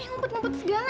main umpet umpet segala